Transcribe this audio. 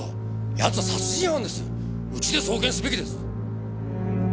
奴は殺人犯ですうちで送検すべきです。